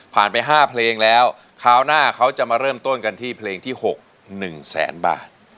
ผ่านไปห้าเพลงแล้วคราวหน้าเขาจะมาเริ่มต้นกันที่เพลงที่หกหนึ่งแสนบาท